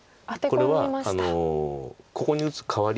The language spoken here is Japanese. これはここに打つ代わり。